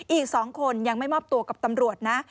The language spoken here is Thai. อีก๒คนยังไม่มอบตัวกับตำรวจนะ